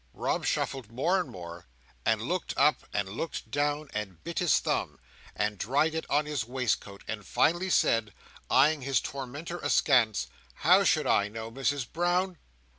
Rob shuffled more and more, and looked up and looked down, and bit his thumb, and dried it on his waistcoat, and finally said, eyeing his tormentor askance, "How should I know, Misses Brown?"